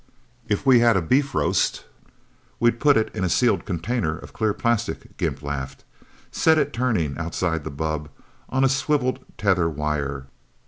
"If we had a beef roast, we'd put it in a sealed container of clear plastic," Gimp laughed. "Set it turning, outside the bubb, on a swiveled tether wire.